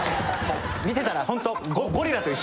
見てたらホント。